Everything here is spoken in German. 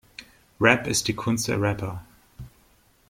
Rap ist die Kunst der Rapper.